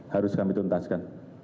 harus kami tuntaskan